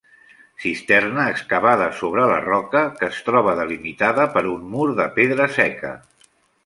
Cisterna excavada sobre la roca, que es troba delimitada per un mur de pedra seca.